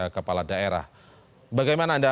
kepala daerah bagaimana anda